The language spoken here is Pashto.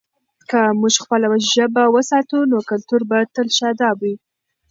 که موږ خپله ژبه وساتو، نو کلتور به تل شاداب وي.